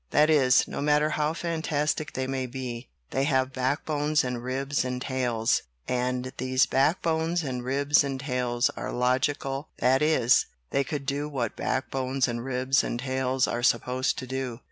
That is, no matter how fan tastic they may be, they have backbones and ribs and tails, and these backbones and ribs and tails 7* WHAT IS GENIUS? are logical that is, they could do what back bones and ribs and tails are supposed to do.